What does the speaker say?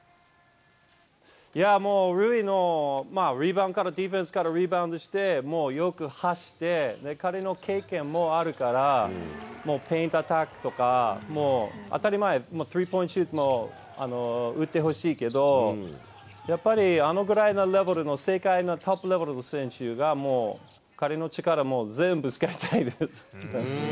いやもう、塁のディフェンスからリバウンドして、もうよく走って、彼の経験もあるから、フェイントアタックとか、もう当たり前、スリーポイントシュートも打ってほしいけど、やっぱり、あのぐらいのレベルの世界のトップレベルの選手がもう彼の力、全部使いたいです。